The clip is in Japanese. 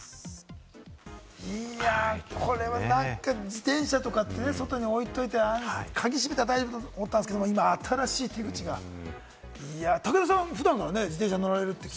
いや、これは自転車とかってね、外に置いといて、鍵閉めたら大丈夫と思ったんですけれども、今、新しい手口が武田さん、普段から自転車に乗られるって。